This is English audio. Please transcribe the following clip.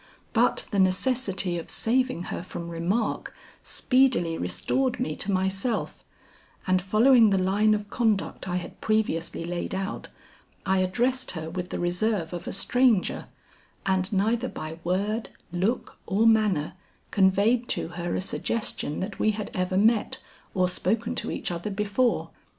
But the necessity of saving her from remark speedily restored me to myself, and following the line of conduct I had previously laid out, I addressed her with the reserve of a stranger, and neither by word, look or manner conveyed to her a suggestion that we had ever met or spoken to each other before.